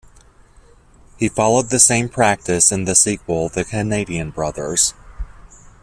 He followed the same practice in the sequel, "The Canadian Brothers".